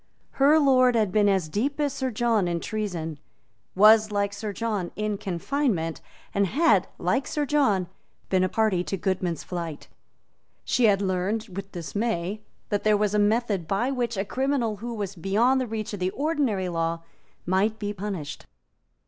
Her lord had been as deep as Sir John in treason, was, like Sir John, in confinement, and had, like Sir John, been a party to Goodman's flight. She had learned with dismay that there was a method by which a criminal who was beyond the reach of the ordinary law might be punished.